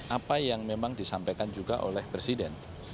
apa yang memang disampaikan juga oleh presiden